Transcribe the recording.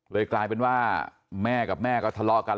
กลายเป็นว่าแม่กับแม่ก็ทะเลาะกัน